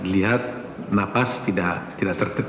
lihat napas tidak terdeteksi